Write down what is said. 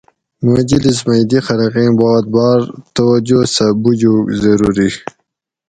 مجلس مے دی خلقیں بات باۤر توجہ سہ بُوجوگ ضروری